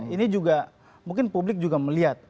ini juga mungkin publik juga melihat